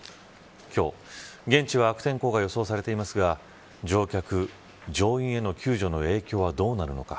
今日、現地は悪天候が予想されていますが乗客、乗員への救助の影響はどうなるのか。